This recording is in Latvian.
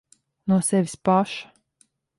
No sevis paša.